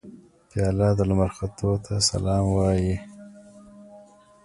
پیاله د لمر ختو ته سلام وايي.